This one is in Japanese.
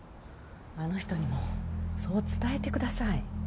あの人にもそう伝えてください。